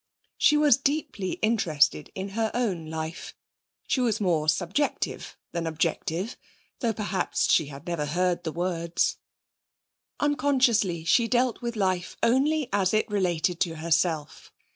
She was deeply interested in her own life. She was more subjective than objective though, perhaps, she had never heard the words. Unconsciously she dealt with life only as it related to herself.